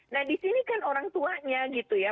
nah disini kan orang tuanya gitu ya